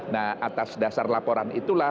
nah atas dasar laporan itulah